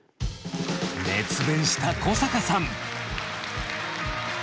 熱弁した小坂さん。